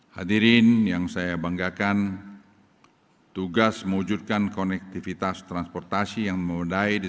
hadirin yang saya banggakan tugas mewujudkan konektivitas transportasi yang memudai di